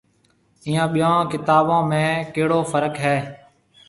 ائيون ٻيون ڪتابون ۾ ڪيهڙو فرق هيَ۔